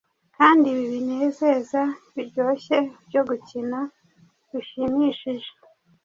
kandi ibi binezeza biryoshye byo gukina bishimishije,